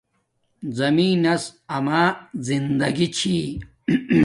زمین نس اما زندگی چھی